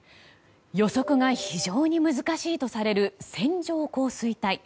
予測が非常に難しいとされる線状降水帯。